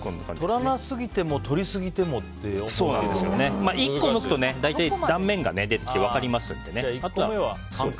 とらなすぎてもとりすぎてもって１個むくと、断面が出てきて分かりますので。